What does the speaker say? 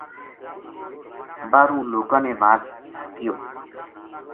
باہروں لوکاں نے واز کیو